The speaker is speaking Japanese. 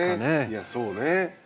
いやそうね。